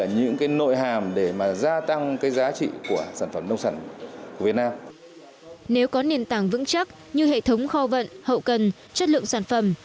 nếu có nền tảng vững chắc như hệ thống kho vận hậu cần chất lượng sản phẩm